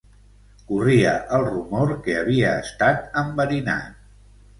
Corria el rumor que havia estat enverinat.